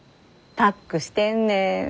パックしてんねん。